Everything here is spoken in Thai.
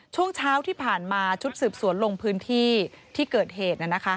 ช่วงเช้าที่ผ่านมาชุดสืบสวนลงพื้นที่ที่เกิดเหตุ